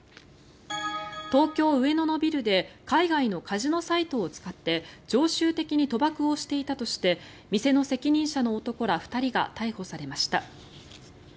東京・上野のビルで海外のカジノサイトを使って常習的に賭博をしていたとして店の責任者の男ら２人が逮捕されました。